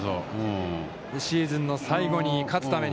シーズンの最後に勝つために。